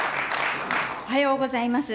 おはようございます。